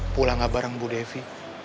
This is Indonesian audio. pulang nggak bareng bu devi